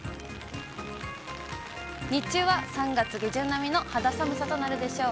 日中は３月下旬並みの肌寒さとなるでしょう。